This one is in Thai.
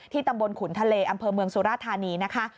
ตำบลขุนทะเลอำเภอเมืองสุราธานีนะคะ